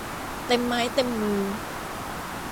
เต็มไม้เต็มมือ